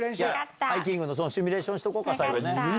ハイキングのシミュレーションしとこうか、先にね。